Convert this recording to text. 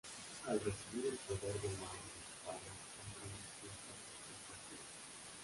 Al recibir el poder de manos de su padre, entró en disputa fratricida.